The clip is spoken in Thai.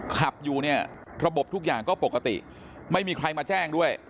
ขับอยู่เนี่ยระบบทุกอย่างก็ปกติไม่มีใครมาแจ้งด้วย